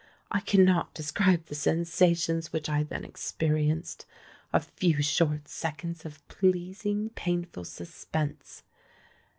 I cannot describe the sensations which I then experienced—a few short seconds of pleasing, painful suspense.